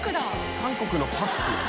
韓国のパック。